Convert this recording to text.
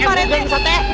kain bubuknya bisa teh